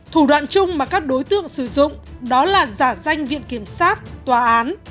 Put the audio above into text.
thủ đoạn chung mà các đối tượng sử dụng đó là giả danh viện kiểm sát tòa án